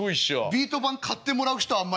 ビート板買ってもらう人あんまいないよ。